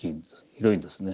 広いんですね。